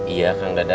iya kang dadah